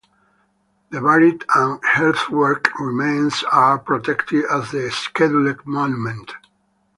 The buried and earthwork remains are protected as a Scheduled Monument.